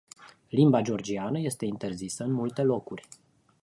Limba georgiană este interzisă în multe locuri.